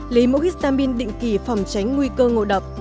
hai lấy mẫu histamine định kỳ phòng tránh nguy cơ ngộ đập